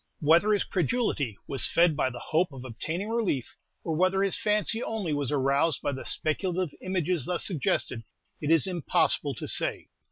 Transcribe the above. Whether his credulity was fed by the hope of obtaining relief, or whether his fancy only was aroused by the speculative images thus suggested, it is impossible to say.